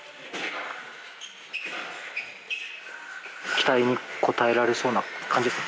期待に応えられそうな感じですか？